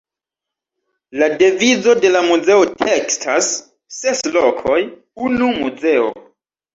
La devizo de la muzeo tekstas: „Ses lokoj, unu muzeo“.